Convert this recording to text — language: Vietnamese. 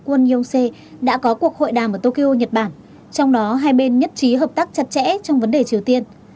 kwon yong se đã có cuộc hội đàm ở tokyo nhật bản trong đó hai bên nhất trí hợp tác chặt chẽ trong vấn đề triều tiên